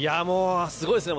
すごいですね。